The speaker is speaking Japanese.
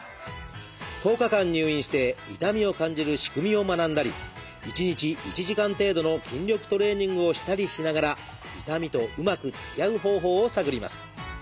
１０日間入院して痛みを感じる仕組みを学んだり１日１時間程度の筋力トレーニングをしたりしながら痛みとうまくつきあう方法を探ります。